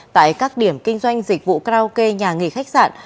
tại các điểm kinh doanh dịch vụ karaoke nhà nghỉ khách sạn